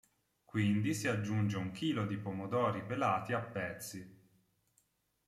Quindi si aggiunge un chilo di pomodori pelati a pezzi.